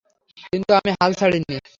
কিন্তু আমি হাল ছাড়িনি।